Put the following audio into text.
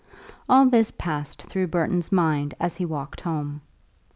All this passed through Burton's mind as he walked home.